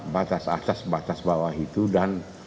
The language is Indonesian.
batas atas batas bawah itu dan